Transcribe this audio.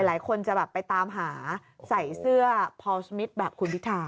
หลายคนจะแบบไปตามหาใส่เสื้อพอลสมิทแบบคุณพิธา